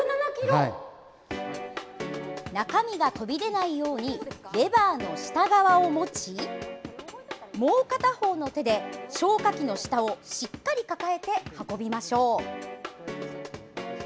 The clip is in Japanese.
中身が飛び出ないようにレバーの下側を持ちもう片方の手で消火器の下をしっかり抱えて運びましょう。